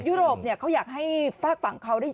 ยุโรปเนี่ยเขาอยากให้ฝากฝั่งเขาได้ยิน